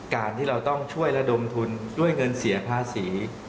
การที่เราต้องช่วยระดมทุนด้วยเงินเสียภาษี